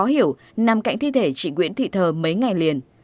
dũng có hiểu nằm cạnh thi thể chị nguyễn thị thờ mấy ngày liền